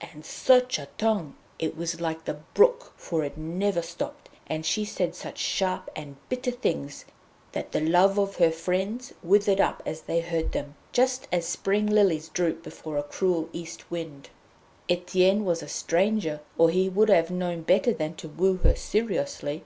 And such a tongue! It was like the brook, for it never stopped, and she said such sharp and bitter things that the love of her friends withered up as they heard them, just as spring lilies droop before a cruel East wind. Etienne was a stranger, or he would have known better than to woo her seriously.